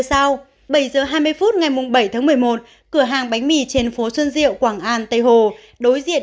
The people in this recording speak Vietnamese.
sau bảy giờ hai mươi phút ngày bảy tháng một mươi một cửa hàng bánh mì trên phố xuân diệu quảng an tây hồ đối diện